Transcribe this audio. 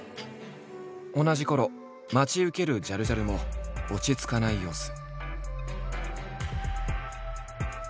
同じころ待ち受けるジャルジャルも落ち着かない様子。